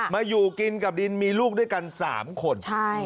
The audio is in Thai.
มาอยู่กินกับดินมีลูกด้วยกัน๓คน